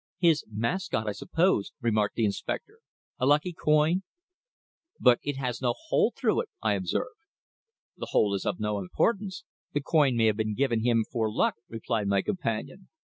"His mascot, I suppose," remarked the inspector. "A lucky coin." "But it has no hole through it," I observed. "The hole is of no importance. The coin may have been given him for luck," replied my companion.